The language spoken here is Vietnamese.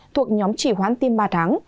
thuộc nhóm chỉ khoán tiêm ba tháng